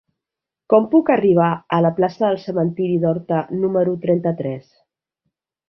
Com puc arribar a la plaça del Cementiri d'Horta número trenta-tres?